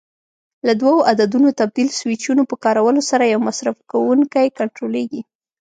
له دوو عددونو تبدیل سویچونو په کارولو سره یو مصرف کوونکی کنټرولېږي.